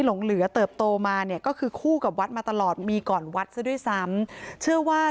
หลงเหลือเติบโตมาเนี่ยก็คือคู่กับวัดมาตลอดมีก่อนวัดซะด้วยซ้ำเชื่อว่า